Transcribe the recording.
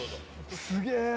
すげえ！